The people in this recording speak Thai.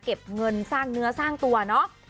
เก็บเงินสร้างเนื้อสร้างตัวเนาะ